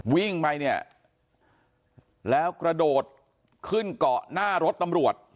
วิ่งไปเนี่ยแล้วกระโดดขึ้นเกาะหน้ารถตำรวจ